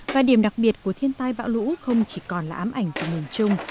và điểm đặc biệt của thiên tai bão lũ không chỉ còn là ám ảnh của miền trung